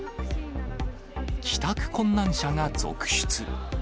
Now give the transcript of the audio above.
帰宅困難者が続出。